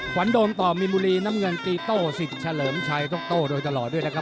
ขวัญโดนต่อมีนบุรีน้ำเงินตีโต้สิทธิ์เฉลิมชัยต้องโต้โดยตลอดด้วยนะครับ